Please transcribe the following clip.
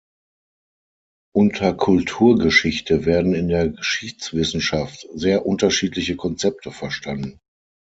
Unter Kulturgeschichte werden in der Geschichtswissenschaft sehr unterschiedliche Konzepte verstanden.